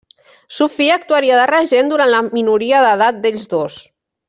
Sofia actuaria de regent durant la minoria d'edat d'ells dos.